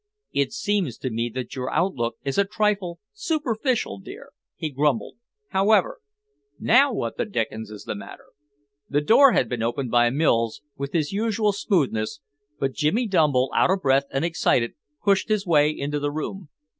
"It seems to me that your outlook is a trifle superficial, dear," he grumbled. "However now what the dickens is the matter?" The door had been opened by Mills, with his usual smoothness, but Jimmy Dumble, out of breath and excited, pushed his way into the room.